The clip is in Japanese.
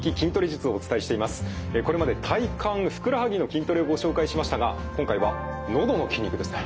これまで体幹ふくらはぎの筋トレをご紹介しましたが今回はのどの筋肉ですね。